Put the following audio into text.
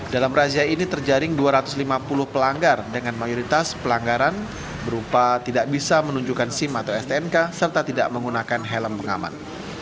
dalam razia ini terjaring dua ratus lima puluh pelanggar dengan mayoritas pelanggaran berupa tidak bisa menunjukkan sim atau stnk serta tidak menggunakan helm pengaman